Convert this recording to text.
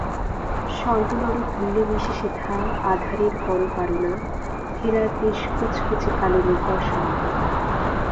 স্বর্গ নরক মিলে মিশে সেথা আঁধারের পরপারনা ফেরার দেশ কুচকুচে কাল নিকষ অন্ধকার।